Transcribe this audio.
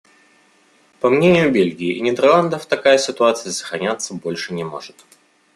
По мнению Бельгии и Нидерландов, такая ситуация сохраняться больше не может.